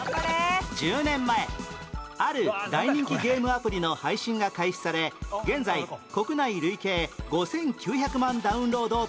１０年前ある大人気ゲームアプリの配信が開始され現在国内累計５９００万ダウンロードを突破